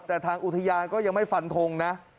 แต่ทางอุทยานก็ยังไม่ฟันทงนะ